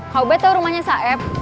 koubet tau rumahnya saeb